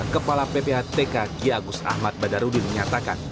kepala ppatk ki agus ahmad badarudin menyatakan